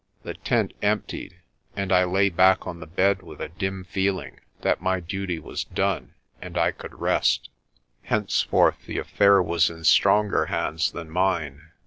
The tent emptied, and I lay back on the bed with a dim feeling that my duty was done and I could rest. Hence forth the affair was in stronger hands than mine.